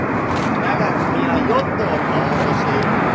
だが君はヨットを買おうとしている。